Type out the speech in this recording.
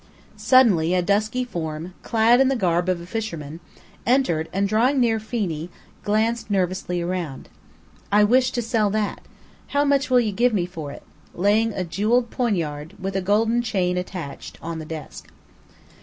Suddenly a dusky form, clad in the garb of a fisherman, entered, and drawing near Phenee, glanced nervously around. "I wish to sell that. How much will you give me for it?" laying a jeweled poignard, with a golden chain attached, on the desk.